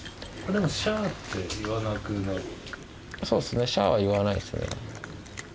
そうっすねシャは言わないですね。